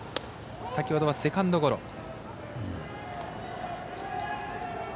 先ほどはセカンドゴロ。